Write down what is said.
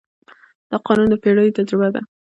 دا قانون د پېړیو تجربه ده.